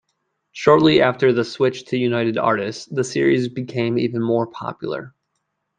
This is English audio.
Shortly after the switch to United Artists, the series became even more popular.